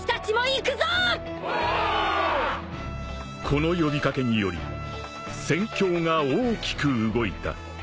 ［この呼び掛けにより戦況が大きく動いた］